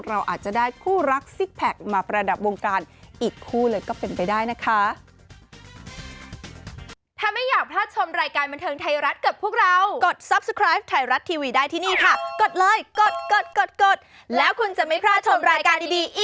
เราอาจจะได้คู่รักซิกแพคมาประดับวงการอีกคู่เลยก็เป็นไปได้นะคะ